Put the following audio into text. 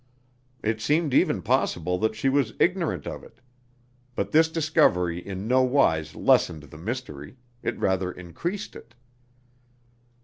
It seemed even possible that she was ignorant of it. But this discovery in no wise lessened the mystery; it rather increased it.